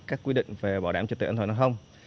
các quy định về bảo đảm trật tự an toàn giao thông